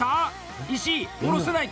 石井下ろせないか？